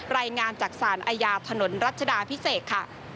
รายงานจากศาลอาญาถนนรัชดาพิเศษค่ะ